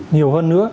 nhiều hơn nữa